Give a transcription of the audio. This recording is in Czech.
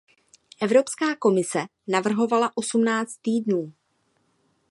Evropská komise navrhovala osmnáct týdnů.